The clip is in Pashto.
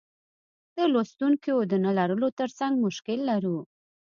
د لوستونکیو د نه لرلو ترڅنګ مشکل لرو.